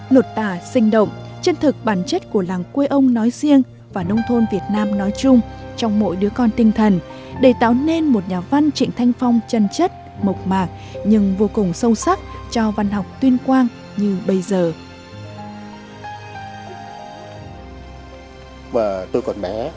lột tả sinh động chân thực bản chất của làng quê ông nói riêng và nông thôn việt nam nói chung trong mỗi đứa con tinh thần để tạo nên một nhà văn trịnh thanh phong chân chất mộc mạc nhưng vô cùng sâu sắc cho văn học tuyên quang như bây giờ